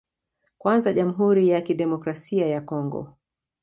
Kwanza Jamhuri ya Kidemokrasia ya Congo